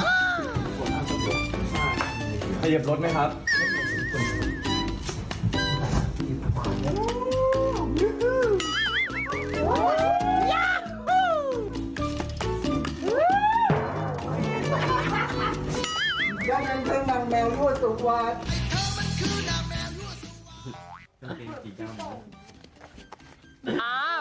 ยังมันคือนางแมวรั่วสวัสดิ์